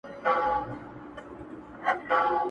دا چې هغه ښکلی ولې؟ تللی رانه دی